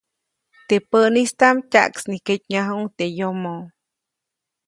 Teʼ päʼnistaʼm tyaʼksniketnyajuʼuŋ teʼ yomo.